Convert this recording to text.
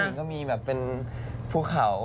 เขาก็มีแบบเป็นผู้ข่าว